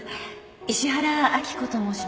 石原明子と申します。